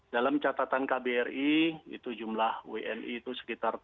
dalam catatan kbri itu jumlah wni itu sekitar dua belas orang